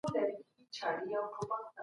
خلکو ته عامه پوهاوی ورکړي.